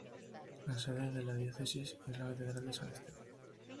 La sede de la Diócesis es la Catedral de San Esteban.